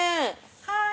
はい。